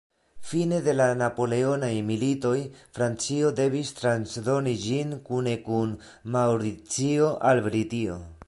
Fine de la Napoleonaj militoj Francio devis transdoni ĝin kune kun Maŭricio al Britio.